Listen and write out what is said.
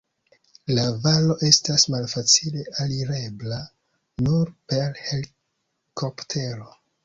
La valo estas malfacile alirebla, nur per helikoptero.